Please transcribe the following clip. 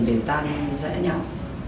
để tan rẽ nhau